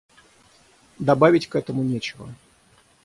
Добавить к этому нечего.